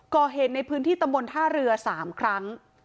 ก่อเหตุในพื้นที่ตำบลท่าเรือ๓ครั้ง